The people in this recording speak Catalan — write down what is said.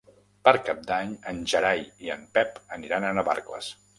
Per Cap d'Any en Gerai i en Pep aniran a Navarcles.